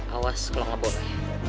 awas kalau gak boleh